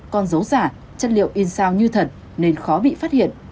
con dấu giả chất liệu in sao như thật nên khó bị phát hiện